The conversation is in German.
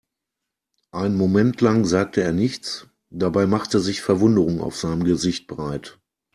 Einen Moment lang sagte er nichts, dabei machte sich Verwunderung auf seinem Gesicht breit.